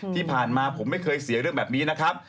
ที่ผ่านมาผมไม่เคยเสียเรื่องแบบนี้นะครับ